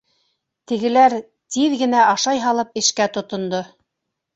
Тегеләр, тиҙ генә ашай һалып, эшкә тотондо.